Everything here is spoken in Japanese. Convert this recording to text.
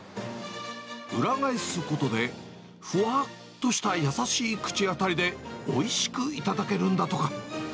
裏返すことで、ふわっとした優しい口当たりで、おいしく頂けるんだとか。